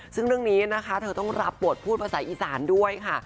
ซึ่งเรื่องนี้นะคะเธอต้องรับบทพูดภาษาอีสานด้วยค่ะ